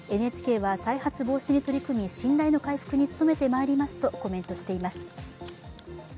ＮＨＫは再発防止に取り組み、信頼の回復に努めてまいりますとコメントしています。